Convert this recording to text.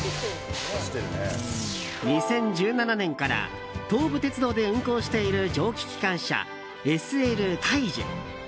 ２０１７年から東武鉄道で運行している蒸気機関車「ＳＬ大樹」。